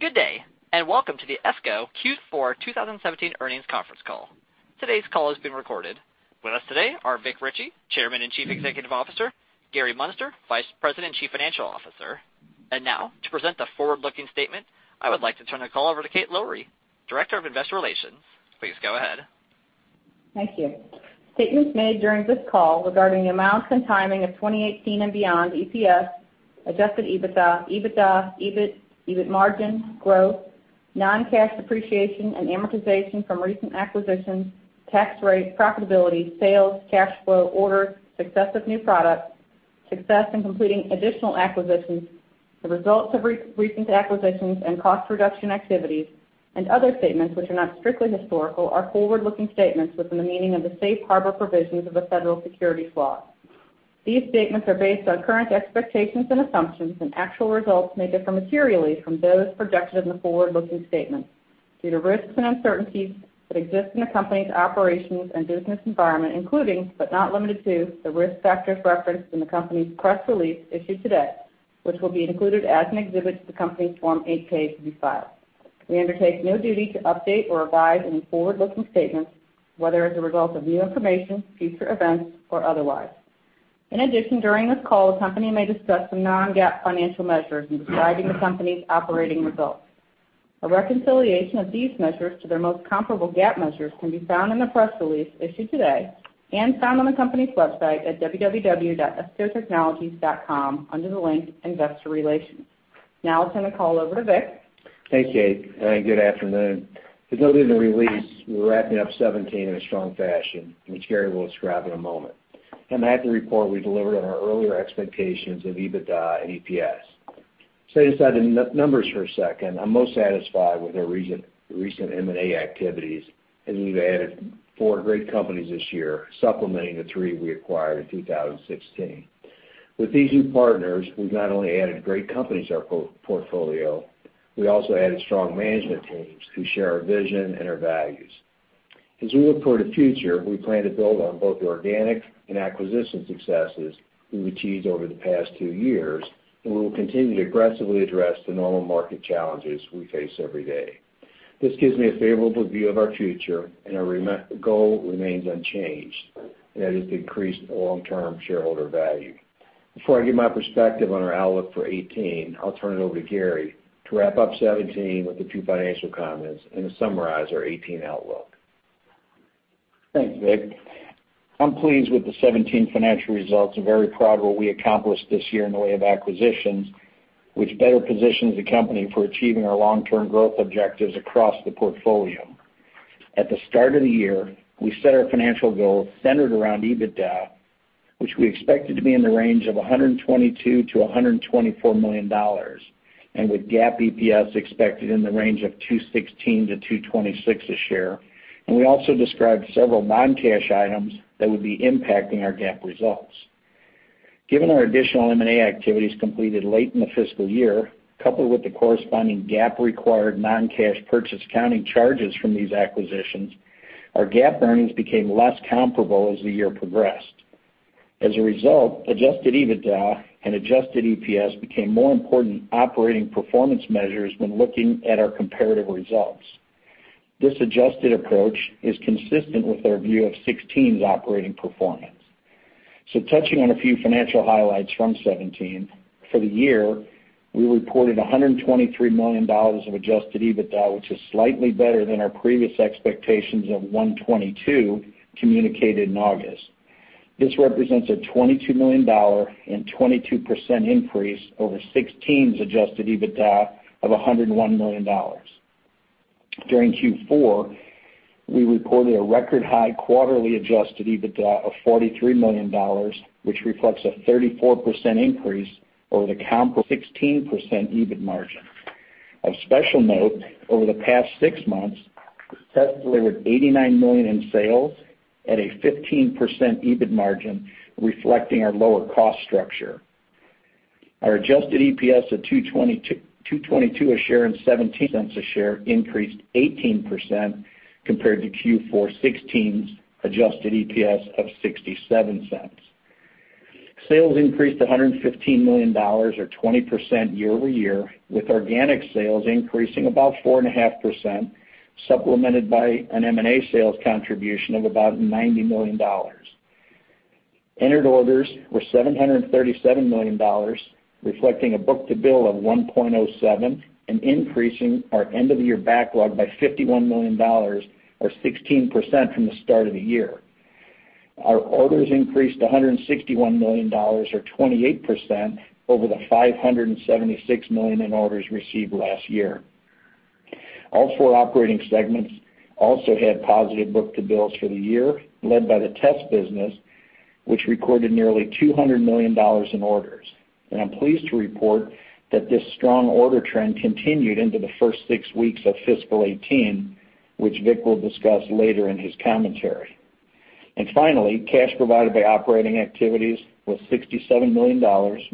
Good day, and welcome to the ESCO Q4 2017 Earnings Conference Call. Today's call is being recorded. With us today are Vic Richey, Chairman and Chief Executive Officer. Gary Muenster, Vice President and Chief Financial Officer. And now, to present the forward-looking statement, I would like to turn the call over to Kate Lowrey, Director of Investor Relations. Please go ahead. Thank you. Statements made during this call regarding the amounts and timing of 2018 and beyond EPS, Adjusted EBITDA, EBITDA, EBIT, EBIT margin, growth, non-cash depreciation and amortization from recent acquisitions, tax rate, profitability, sales, cash flow, orders, success of new products, success in completing additional acquisitions, the results of recent acquisitions and cost reduction activities, and other statements which are not strictly historical, are forward-looking statements within the meaning of the safe harbor provisions of the Federal Securities Law. These statements are based on current expectations and assumptions, and actual results may differ materially from those projected in the forward-looking statements due to risks and uncertainties that exist in the company's operations and business environment, including, but not limited to, the risk factors referenced in the company's press release issued today, which will be included as an exhibit to the company's Form 8-K to be filed. We undertake no duty to update or revise any forward-looking statements, whether as a result of new information, future events, or otherwise. In addition, during this call, the company may discuss some non-GAAP financial measures in describing the company's operating results. A reconciliation of these measures to their most comparable GAAP measures can be found in the press release issued today and found on the company's website at www.escotechnologies.com, under the link Investor Relations. Now I'll turn the call over to Vic. Thanks, Kate, and good afternoon. As noted in the release, we're wrapping up 2017 in a strong fashion, which Gary will describe in a moment. I have to report we delivered on our earlier expectations of EBITDA and EPS. Setting aside the numbers for a second, I'm most satisfied with our recent, recent M&A activities, as we've added four great companies this year, supplementing the three we acquired in 2016. With these new partners, we've not only added great companies to our portfolio, we also added strong management teams who share our vision and our values. As we look toward the future, we plan to build on both the organic and acquisition successes we achieved over the past two years, and we will continue to aggressively address the normal market challenges we face every day. This gives me a favorable view of our future, and our goal remains unchanged, and that is to increase long-term shareholder value. Before I give my perspective on our outlook for 2018, I'll turn it over to Gary to wrap up 2017 with a few financial comments and to summarize our 2018 outlook. Thanks, Vic. I'm pleased with the 2017 financial results and very proud of what we accomplished this year in the way of acquisitions, which better positions the company for achieving our long-term growth objectives across the portfolio. At the start of the year, we set our financial goals centered around EBITDA, which we expected to be in the range of $122-$124 million, and with GAAP EPS expected in the range of $2.16-$2.26 a share. We also described several non-cash items that would be impacting our GAAP results. Given our additional M&A activities completed late in the fiscal year, coupled with the corresponding GAAP-required non-cash purchase accounting charges from these acquisitions, our GAAP earnings became less comparable as the year progressed. As a result, adjusted EBITDA and adjusted EPS became more important operating performance measures when looking at our comparative results. This adjusted approach is consistent with our view of 2016's operating performance. So touching on a few financial highlights from 2017, for the year, we reported $123 million of adjusted EBITDA, which is slightly better than our previous expectations of $122 million communicated in August. This represents a $22 million and 22% increase over 2016's adjusted EBITDA of $101 million. During Q4, we reported a record high quarterly adjusted EBITDA of $43 million, which reflects a 34% increase over the comparable 2016 EBIT margin. Of special note, over the past six months, we successfully with $89 million in sales at a 15% EBIT margin, reflecting our lower cost structure. Our adjusted EPS of 2.22, $2.22 a share in 17 cents a share increased 18% compared to Q4 2016's adjusted EPS of 67 cents. Sales increased to $115 million, or 20% year-over-year, with organic sales increasing about 4.5%, supplemented by an M&A sales contribution of about $90 million. Entered orders were $737 million, reflecting a book-to-bill of 1.07, and increasing our end-of-the-year backlog by $51 million, or 16% from the start of the year. Our orders increased to $161 million, or 28%, over the $576 million in orders received last year. All four operating segments also had positive book-to-bills for the year, led by the test business, which recorded nearly $200 million in orders. I'm pleased to report that this strong order trend continued into the first six weeks of fiscal 2018, which Vic will discuss later in his commentary. And finally, cash provided by operating activities was $67 million,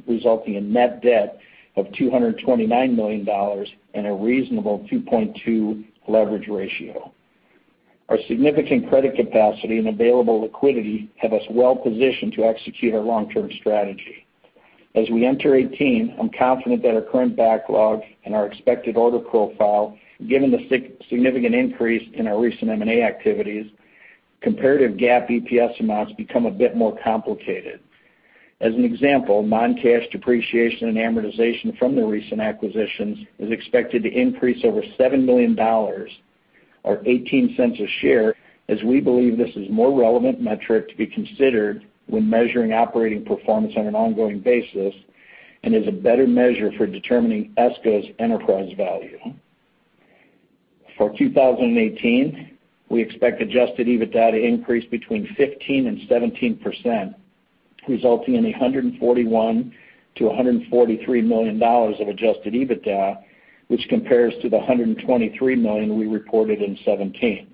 resulting in net debt of $229 million and a reasonable two point two leverage ratio. Our significant credit capacity and available liquidity have us well positioned to execute our long-term strategy. As we enter 2018, I'm confident that our current backlog and our expected order profile, given the significant increase in our recent M&A activities, comparative GAAP EPS amounts become a bit more complicated. As an example, non-cash depreciation and amortization from the recent acquisitions is expected to increase over $7 million, or $0.18 a share, as we believe this is more relevant metric to be considered when measuring operating performance on an ongoing basis, and is a better measure for determining ESCO's enterprise value. For 2018, we expect adjusted EBITDA to increase between 15%-17%, resulting in $141 million-$143 million of adjusted EBITDA, which compares to the $123 million we reported in 2017.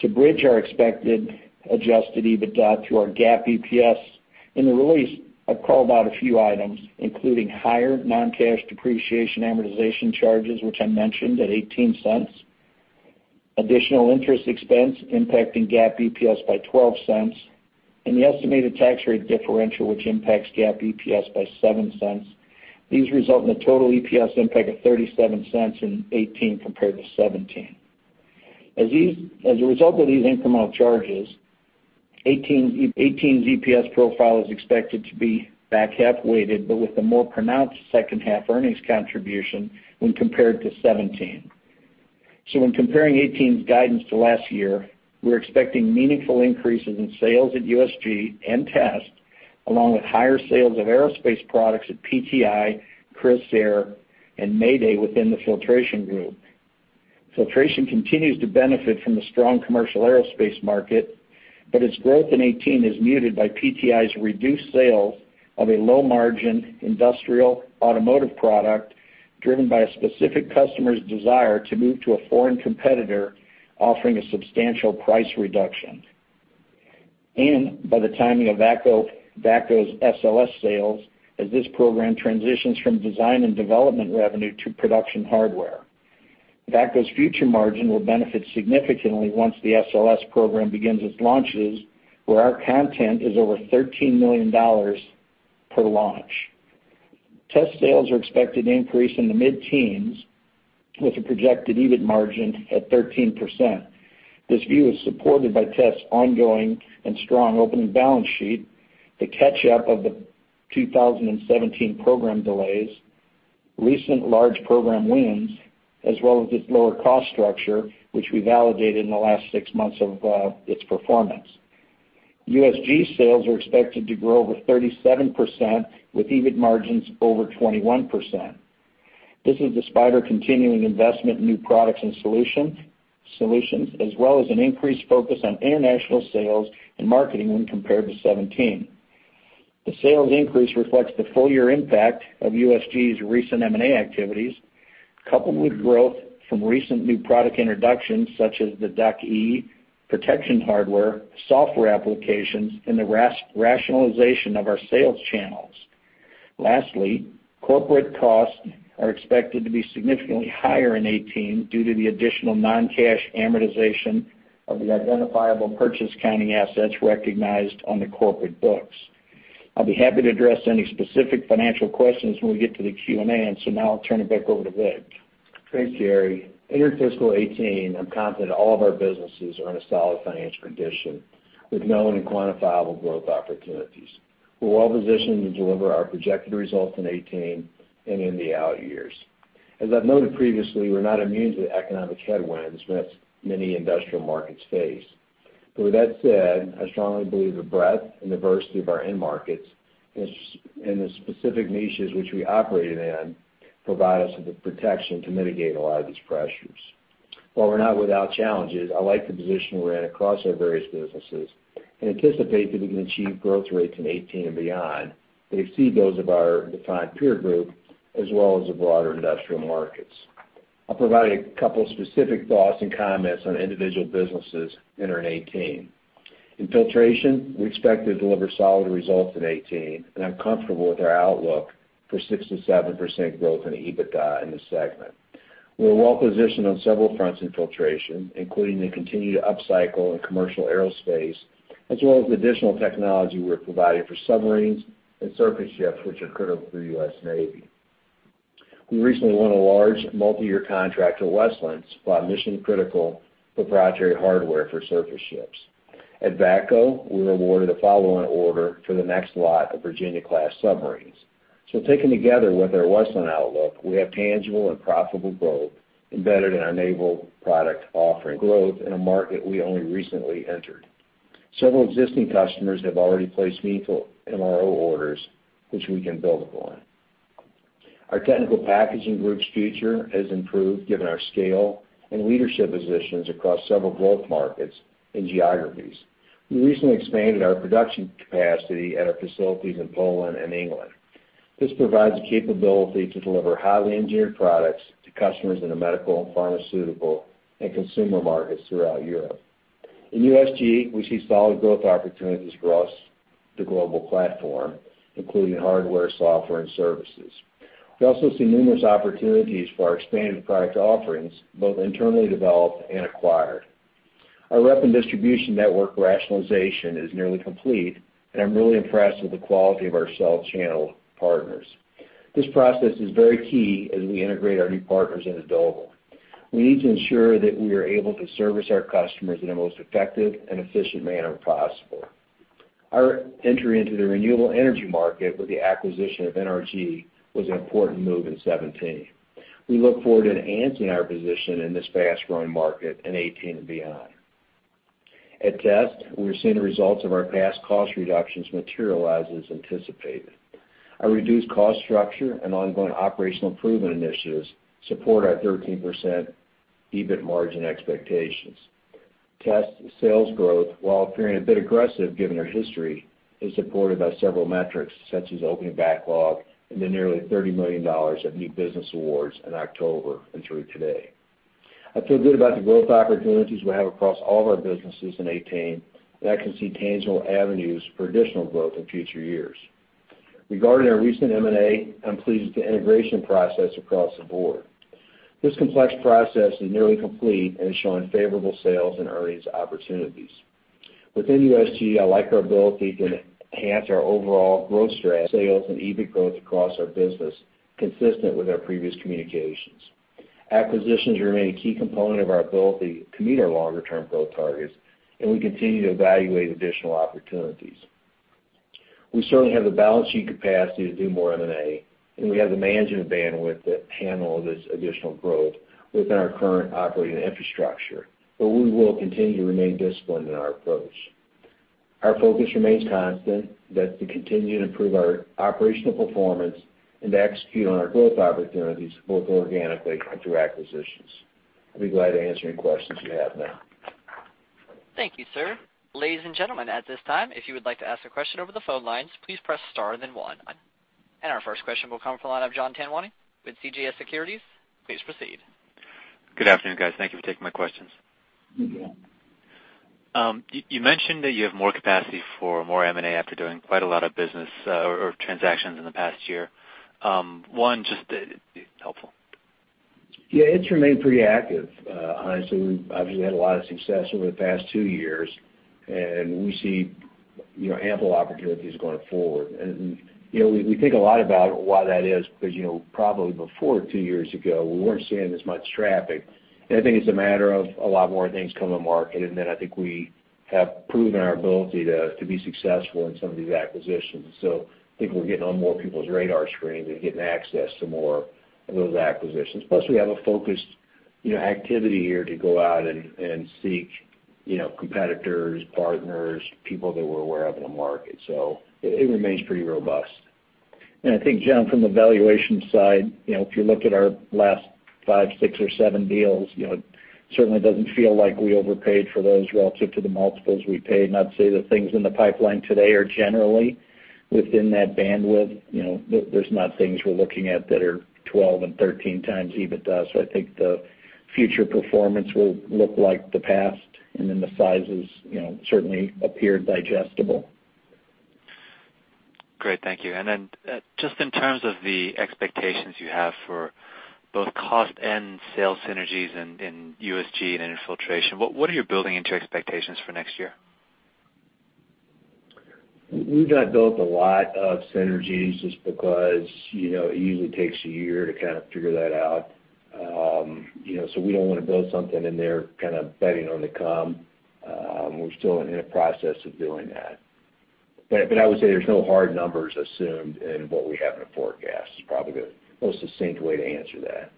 To bridge our expected adjusted EBITDA to our GAAP EPS, in the release, I've called out a few items, including higher non-cash depreciation amortization charges, which I mentioned at $0.18, additional interest expense impacting GAAP EPS by $0.12, and the estimated tax rate differential, which impacts GAAP EPS by $0.07. These result in a total EPS impact of $0.37 in 2018 compared to 2017. As a result of these incremental charges, 2018, 2018's EPS profile is expected to be back-half weighted, but with a more pronounced second half earnings contribution when compared to 2017. So when comparing 2018's guidance to last year, we're expecting meaningful increases in sales at USG and Test, along with higher sales of aerospace products at PTI, Crissair, and Mayday within the Filtration group. Filtration continues to benefit from the strong commercial aerospace market, but its growth in 2018 is muted by PTI's reduced sales of a low-margin industrial automotive product, driven by a specific customer's desire to move to a foreign competitor, offering a substantial price reduction. And by the timing of VACCO, VACCO's SLS sales, as this program transitions from design and development revenue to production hardware. VACCO's future margin will benefit significantly once the SLS program begins its launches, where our content is over $13 million per launch. Test sales are expected to increase in the mid-teens, with a projected EBIT margin at 13%. This view is supported by Test's ongoing and strong opening balance sheet, the catch-up of the 2017 program delays, recent large program wins, as well as its lower cost structure, which we validated in the last six months of its performance. USG sales are expected to grow over 37%, with EBIT margins over 21%. This is despite our continuing investment in new products and solutions, as well as an increased focus on international sales and marketing when compared to 2017. The sales increase reflects the full year impact of USG's recent M&A activities, coupled with growth from recent new product introductions, such as the DUC, protection hardware, software applications, and the rationalization of our sales channels. Lastly, corporate costs are expected to be significantly higher in 2018 due to the additional non-cash amortization of the identifiable purchase accounting assets recognized on the corporate books. I'll be happy to address any specific financial questions when we get to the Q&A. And so now I'll turn it back over to Vic. Thanks, Gary. In our fiscal 2018, I'm confident all of our businesses are in a solid financial condition, with known and quantifiable growth opportunities. We're well positioned to deliver our projected results in 2018 and in the out years. As I've noted previously, we're not immune to the economic headwinds that many industrial markets face. But with that said, I strongly believe the breadth and diversity of our end markets, and the specific niches which we operate in, provide us with the protection to mitigate a lot of these pressures. While we're not without challenges, I like the position we're in across our various businesses and anticipate that we can achieve growth rates in 2018 and beyond that exceed those of our defined peer group, as well as the broader industrial markets. I'll provide a couple of specific thoughts and comments on individual businesses entering 2018. In Filtration, we expect to deliver solid results in 2018, and I'm comfortable with our outlook for 6%-7% growth in the EBITDA in this segment. We're well positioned on several fronts in Filtration, including the continued upcycle in commercial aerospace, as well as additional technology we're providing for submarines and surface ships, which are critical for the U.S. Navy. We recently won a large multi-year contract at Westland to supply mission-critical proprietary hardware for surface ships. At VACCO, we were awarded a follow-on order for the next lot of Virginia-class submarines. So taken together with our Westland outlook, we have tangible and profitable growth embedded in our naval product offering, growth in a market we only recently entered. Several existing customers have already placed meaningful MRO orders, which we can build upon. Our Technical Packaging group's future has improved given our scale and leadership positions across several growth markets and geographies. We recently expanded our production capacity at our facilities in Poland and England. This provides the capability to deliver highly engineered products to customers in the medical, pharmaceutical, and consumer markets throughout Europe. In USG, we see solid growth opportunities across the global platform, including hardware, software, and services. We also see numerous opportunities for our expanded product offerings, both internally developed and acquired. Our rep and distribution network rationalization is nearly complete, and I'm really impressed with the quality of our sales channel partners. This process is very key as we integrate our new partners into Doble. We need to ensure that we are able to service our customers in the most effective and efficient manner possible. Our entry into the renewable energy market with the acquisition of NRG was an important move in 2017. We look forward to enhancing our position in this fast-growing market in 2018 and beyond. At Test, we're seeing the results of our past cost reductions materialize as anticipated. Our reduced cost structure and ongoing operational improvement initiatives support our 13% EBIT margin expectations. Test sales growth, while appearing a bit aggressive given our history, is supported by several metrics, such as opening backlog and the nearly $30 million of new business awards in October and through today. I feel good about the growth opportunities we have across all of our businesses in 2018, and I can see tangible avenues for additional growth in future years. Regarding our recent M&A, I'm pleased with the integration process across the board. This complex process is nearly complete and is showing favorable sales and earnings opportunities. Within USG, I like our ability to enhance our overall growth strategy, sales and EBIT growth across our business, consistent with our previous communications. Acquisitions remain a key component of our ability to meet our longer-term growth targets, and we continue to evaluate additional opportunities. We certainly have the balance sheet capacity to do more M&A, and we have the management bandwidth to handle this additional growth within our current operating infrastructure, but we will continue to remain disciplined in our approach. Our focus remains constant, that to continue to improve our operational performance and to execute on our growth opportunities, both organically and through acquisitions. I'd be glad to answer any questions you have now. Thank you, sir. Ladies and gentlemen, at this time, if you would like to ask a question over the phone lines, please press star, then one. Our first question will come from the line of Jonathan Tanwanteng with CJS Securities. Please proceed. Good afternoon, guys. Thank you for taking my questions. Good morning. You mentioned that you have more capacity for more M&A after doing quite a lot of business, or transactions in the past year. One, just helpful. Yeah, it's remained pretty active. Honestly, we've obviously had a lot of success over the past two years, and we see, you know, ample opportunities going forward. You know, we think a lot about why that is, because, you know, probably before two years ago, we weren't seeing as much traffic. I think it's a matter of a lot more things coming to market, and then I think we have proven our ability to be successful in some of these acquisitions. So I think we're getting on more people's radar screens and getting access to more of those acquisitions. Plus, we have a focused, you know, activity here to go out and seek, you know, competitors, partners, people that we're aware of in the market. So it remains pretty robust. I think, John, from the valuation side, you know, if you look at our last five, six or seven deals, you know, it certainly doesn't feel like we overpaid for those relative to the multiples we paid. I'd say the things in the pipeline today are generally within that bandwidth. You know, there, there's not things we're looking at that are 12x and 13x EBITDA. I think the future performance will look like the past, and then the sizes, you know, certainly appear digestible. Great. Thank you. And then, just in terms of the expectations you have for both cost and sales synergies in USG and in Filtration, what are you building into expectations for next year? We've not built a lot of synergies just because, you know, it usually takes a year to kind of figure that out. You know, so we don't want to build something in there kind of betting on the come. We're still in a process of doing that. But I would say there's no hard numbers assumed in what we have in the forecast. It's probably the most succinct way to answer that.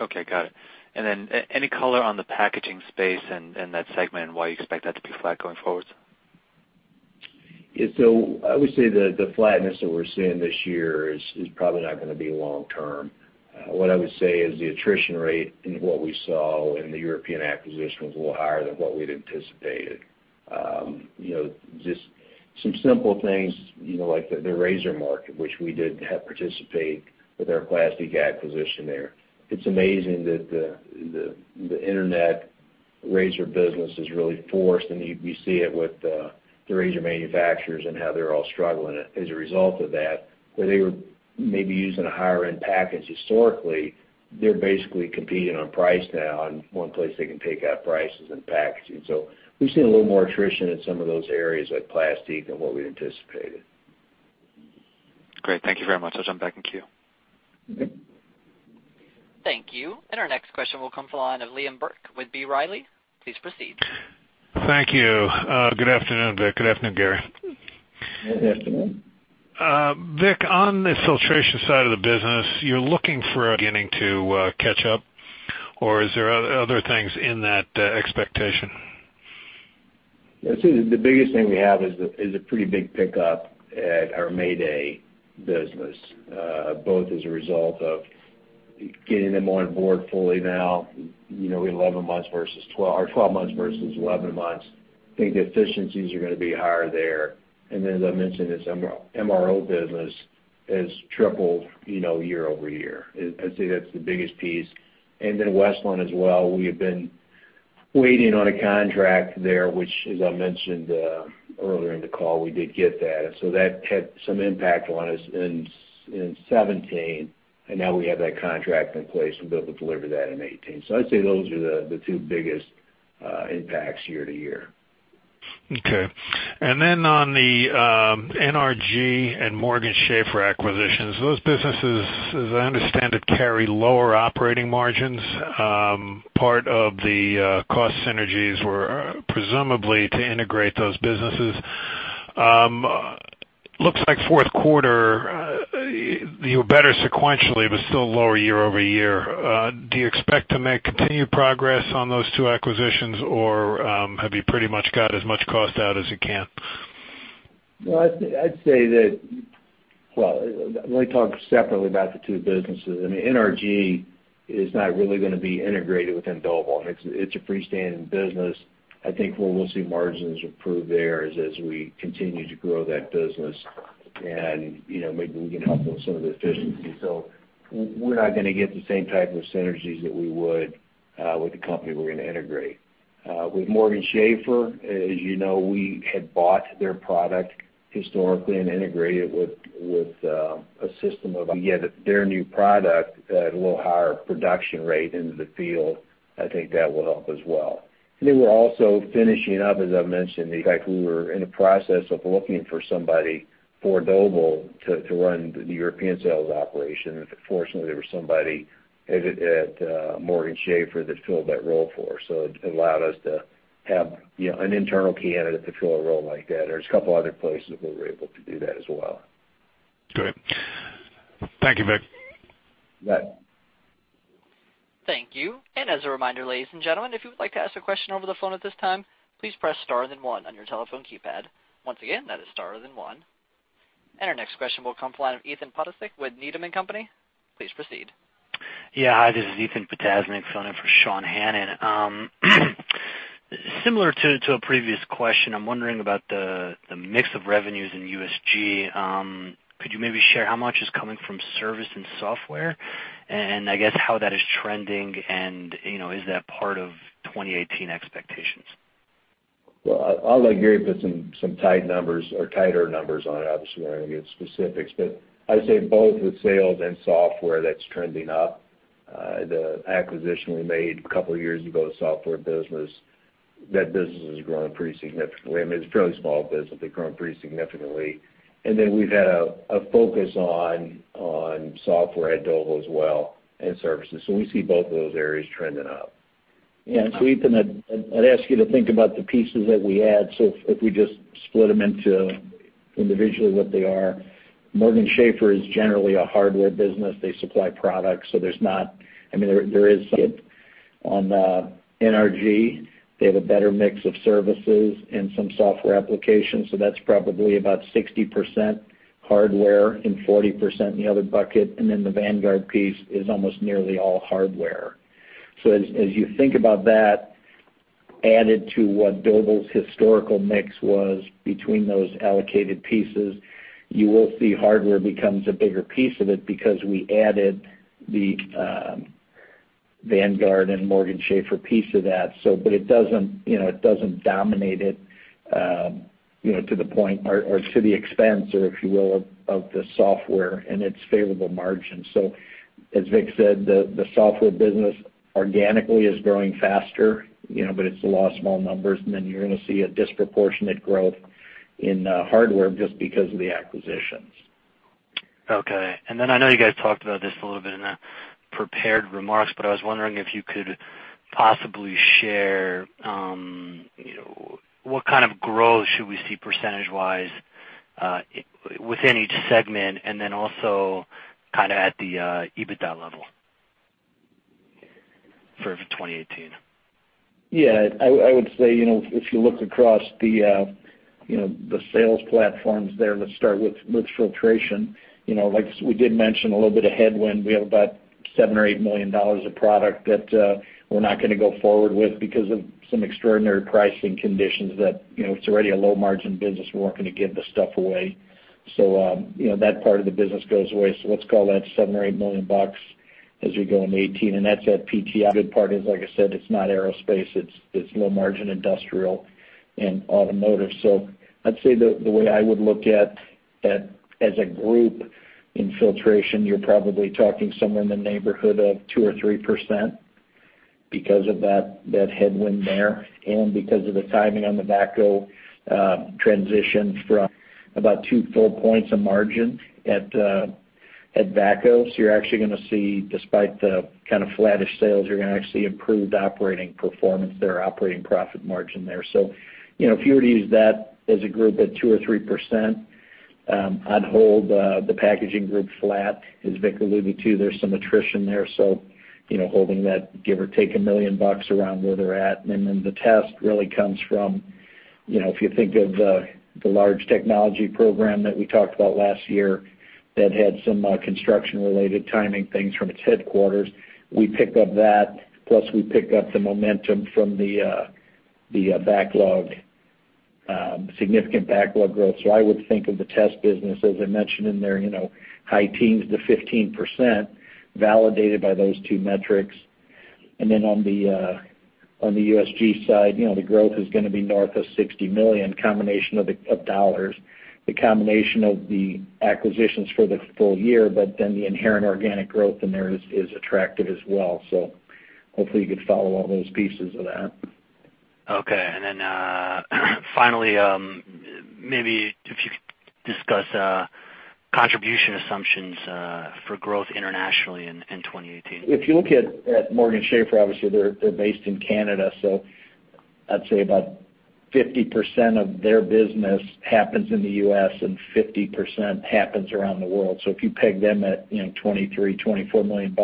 Okay, got it. And then, any color on the packaging space and that segment, and why you expect that to be flat going forward? Yeah. So I would say that the flatness that we're seeing this year is probably not gonna be long term. What I would say is the attrition rate in what we saw in the European acquisition was a little higher than what we'd anticipated. You know, just some simple things, you know, like the razor market, which we did have participate with our Plastique acquisition there. It's amazing that the internet razor business has really forced, and you see it with the razor manufacturers and how they're all struggling as a result of that, where they were maybe using a higher-end package historically, they're basically competing on price now, and one place they can take out price is in packaging. So we've seen a little more attrition in some of those areas, like Plastique, than what we'd anticipated. Great. Thank you very much. I'll jump back in queue. Thank you. Our next question will come from the line of Liam Burke with B. Riley. Please proceed. Thank you. Good afternoon, Vic. Good afternoon, Gary. Good afternoon. Vic, on the Filtration side of the business, you're looking for beginning to catch up, or is there other things in that expectation? I'd say the biggest thing we have is a pretty big pickup at our Mayday business, both as a result of getting them on board fully now, you know, 11 months versus 12, or 12 months versus 11 months. I think the efficiencies are going to be higher there. And then, as I mentioned, this MRO business has tripled, you know, year-over-year. I'd say that's the biggest piece. And then Westland as well, we have been waiting on a contract there, which, as I mentioned, earlier in the call, we did get that. So that had some impact on us in 2017, and now we have that contract in place. We'll be able to deliver that in 2018. So I'd say those are the two biggest impacts year to year. Okay. And then on the NRG and Morgan Schaffer acquisitions, those businesses, as I understand it, carry lower operating margins. Part of the cost synergies were presumably to integrate those businesses. Looks like fourth quarter, you were better sequentially, but still lower year-over-year. Do you expect to make continued progress on those two acquisitions, or have you pretty much got as much cost out as you can? Well, I'd say that... Well, let me talk separately about the two businesses. I mean, NRG is not really going to be integrated within Doble. It's a freestanding business. I think where we'll see margins improve there is as we continue to grow that business, and, you know, maybe we can help with some of the efficiencies. So we're not going to get the same type of synergies that we would with the company we're going to integrate. With Morgan Schaffer, as you know, we had bought their product historically and integrated it with a system of their new product at a little higher production rate into the field. I think that will help as well. And then we're also finishing up, as I mentioned, in fact, we were in the process of looking for somebody for Doble to run the European sales operation. Fortunately, there was somebody at Morgan Schaffer that filled that role for us, so it allowed us to have, you know, an internal candidate to fill a role like that. There's a couple other places where we're able to do that as well. Great. Thank you, Vic. You bet. Thank you. As a reminder, ladies and gentlemen, if you would like to ask a question over the phone at this time, please press star then one on your telephone keypad. Once again, that is star then one. Our next question will come from the line of Ethan Potasnick with Needham and Company. Please proceed. Yeah. Hi, this is Ethan Potasnick, filling in for Sean Hannan. Similar to a previous question, I'm wondering about the mix of revenues in USG. Could you maybe share how much is coming from service and software? And I guess how that is trending, and, you know, is that part of 2018 expectations? Well, I'll let Gary put some, some tight numbers or tighter numbers on it. Obviously, we're going to get specifics, but I'd say both with sales and software, that's trending up. The acquisition we made a couple of years ago, software business, that business has grown pretty significantly. I mean, it's a fairly small business, but grown pretty significantly. And then we've had a, a focus on, on software at Doble as well, and services. So we see both of those areas trending up. Yeah. So Ethan, I'd ask you to think about the pieces that we add. So if we just split them into individually what they are, Morgan Schaffer is generally a hardware business. They supply products, so there's not, I mean, there is it. On NRG, they have a better mix of services and some software applications, so that's probably about 60% hardware and 40% in the other bucket. And then the Vanguard piece is almost nearly all hardware. So as you think about that, added to what Doble's historical mix was between those allocated pieces, you will see hardware becomes a bigger piece of it because we added the Vanguard and Morgan Schaffer piece to that. So but it doesn't, you know, it doesn't dominate it, you know, to the point or, or to the expense, or if you will, of, of the software and its favorable margin. So, as Vic said, the software business organically is growing faster, you know, but it's a lot of small numbers, and then you're going to see a disproportionate growth in hardware just because of the acquisitions. Okay. Then I know you guys talked about this a little bit in the prepared remarks, but I was wondering if you could possibly share, you know, what kind of growth should we see percentage-wise within each segment, and then also kind of at the EBITDA level for 2018? Yeah, I would say, you know, if you look across the, you know, the sales platforms there, let's start with, with filtration. You know, like we did mention a little bit of headwind. We have about $7-$8 million of product that, we're not going to go forward with because of some extraordinary pricing conditions that, you know, it's already a low-margin business. We're not going to give the stuff away. So, you know, that part of the business goes away. So let's call that $7-$8 million bucks as we go into 2018, and that's that PTI. The good part is, like I said, it's not aerospace. It's, it's low margin industrial and automotive. So I'd say the way I would look at as a group in filtration, you're probably talking somewhere in the neighborhood of 2%-3% because of that headwind there, and because of the timing on the VACCO transition from about two full points of margin at VACCO. So you're actually going to see, despite the kind of flattish sales, you're going to actually improved operating performance there, operating profit margin there. So, you know, if you were to use that as a group at 2%-3%, I'd hold the packaging group flat. As Vic alluded to, there's some attrition there, so, you know, holding that, give or take $1 million around where they're at. And then the test really comes from, you know, if you think of the large technology program that we talked about last year, that had some construction-related timing things from its headquarters, we pick up that, plus we pick up the momentum from the backlog, significant backlog growth. So I would think of the test business, as I mentioned in there, you know, high teens to 15%, validated by those two metrics. And then on the USG side, you know, the growth is gonna be north of $60 million, combination of the dollars, the combination of the acquisitions for the full year, but then the inherent organic growth in there is attractive as well. So hopefully, you can follow all those pieces of that. Okay. And then, finally, maybe if you could discuss contribution assumptions for growth internationally in 2018? If you look at Morgan Schaffer, obviously, they're based in Canada, so I'd say about 50% of their business happens in the U.S. and 50% happens around the world. So if you peg them at, you know, $23-$24 million,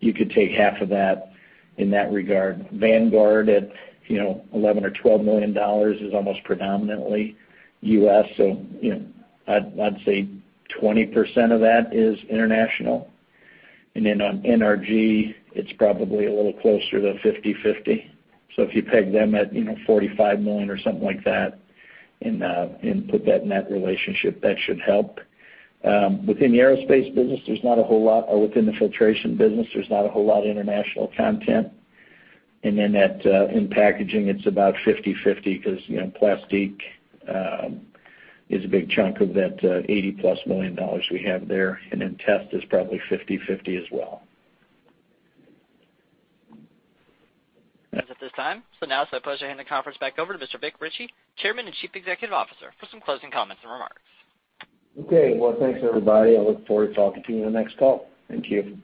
you could take half of that in that regard. Vanguard at, you know, $11-$12 million is almost predominantly U.S. So, you know, I'd say 20% of that is international. And then on NRG, it's probably a little closer to 50/50. So if you peg them at, you know, $45 million or something like that, and put that in that relationship, that should help. Within the aerospace business, there's not a whole lot, or within the filtration business, there's not a whole lot of international content. Then in Packaging, it's about 50/50 because, you know, Plastique is a big chunk of that $80+ million we have there. Then Test is probably 50/50 as well. At this time. So now it's my pleasure to hand the conference back over to Mr. Vic Richey, Chairman and Chief Executive Officer for some closing comments and remarks. Okay, well, thanks, everybody. I look forward to talking to you in the next call. Thank you.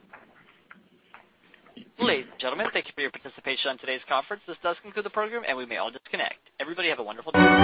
Ladies and gentlemen, thank you for your participation on today's conference. This does conclude the program, and we may all disconnect. Everybody, have a wonderful day.